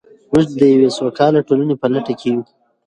موږ د یوې سوکاله ټولنې په لټه کې یو.